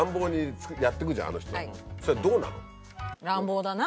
それどうなの？